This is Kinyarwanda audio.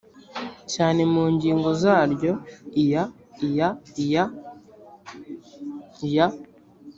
cyane mu ngingo zaryo iya iya iya iya